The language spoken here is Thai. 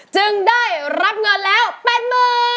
จึงได้รับเงินแล้ว๘๐๐๐บาท